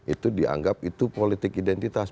itu dianggap itu politik identitas